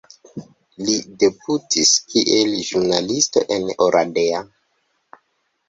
Li debutis kiel ĵurnalisto en Oradea.